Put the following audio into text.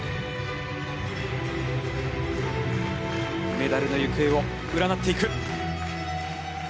メダルの行方を占っていく！